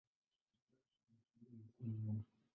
Leo hii utalii umekuwa muhimu.